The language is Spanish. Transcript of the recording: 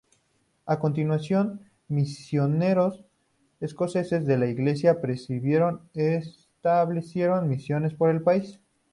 A continuación, misioneros escoceses de la Iglesia presbiteriana establecieron misiones por el país.